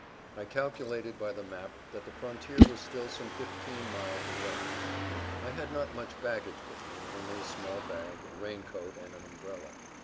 I calculated by the map that the frontier was still some fifteen miles away. I had not much baggage with me, only a small bag, a raincoat and an umbrella.